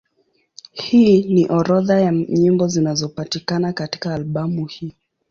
Hii ni orodha ya nyimbo zinazopatikana katika albamu hii.